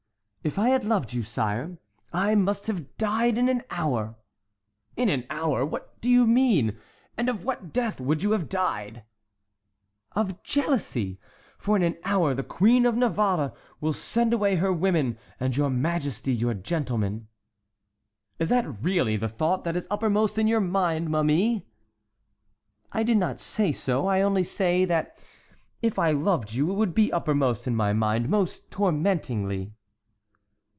"If I had loved you, sire, I must have died in an hour." "In an hour? What do you mean? And of what death would you have died?" "Of jealousy!—for in an hour the Queen of Navarre will send away her women, and your majesty your gentlemen." "Is that really the thought that is uppermost in your mind, ma mie?" "I did not say so. I only say, that if I loved you it would be uppermost in my mind most tormentingly."